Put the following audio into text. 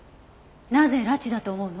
なぜ拉致だと思うの？